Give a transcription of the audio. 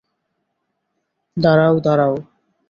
দাড়াও, দাড়াও।